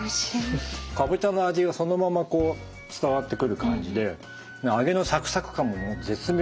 かぼちゃの味がそのまま伝わってくる感じで揚げのサクサク感も絶妙。